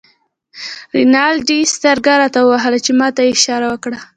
رینالډي سترګه راته ووهله چې ما ته یې اشاره وکړه.